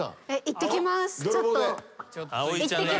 いってきます。